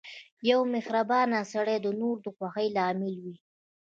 • یو مهربان سړی د نورو د خوښۍ لامل وي.